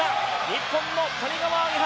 日本の谷川亜華葉